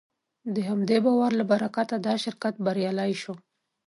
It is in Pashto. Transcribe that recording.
د همدې باور له برکته دا شرکت بریالی شو.